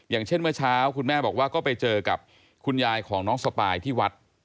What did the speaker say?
อย่างเช่นเมื่อเช้าคุณแม่บอกว่าก็ไปเจอกับคุณยายของน้องสปายที่วัด